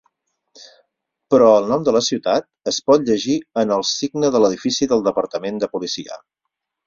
Però el nom de la ciutat es pot llegir en el signe de l'edifici del Departament de policia.